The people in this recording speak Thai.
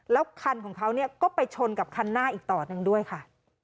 แล้วคันของเขาก็ไปชนกับคันหน้าอีกต่อหนึ่งด้วยค่ะ